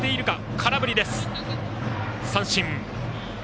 空振りです、三振。